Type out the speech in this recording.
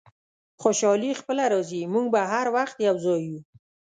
خوشحالي خپله راځي، موږ به هر وخت یو ځای یو.